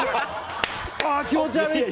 気持ち悪いって。